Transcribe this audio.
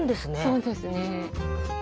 そうですね。